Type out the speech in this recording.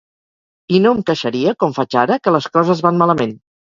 I no em queixaria, com faig ara, que les coses van malament.